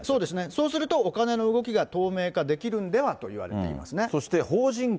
そうするとお金の動きが透明化できるんではといわれていますね。